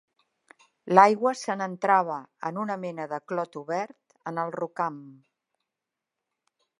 L'aigua se n'entrava en una mena de clot obert en el rocam